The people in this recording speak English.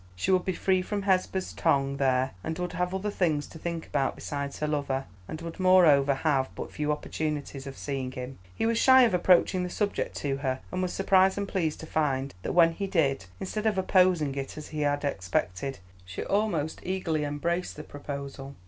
She would be free from Hesba's tongue there, and would have other things to think about besides her lover, and would moreover have but few opportunities of seeing him. He was shy of approaching the subject to her, and was surprised and pleased to find that when he did, instead of opposing it as he had expected, she almost eagerly embraced the proposal.